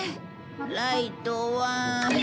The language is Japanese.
ライトは。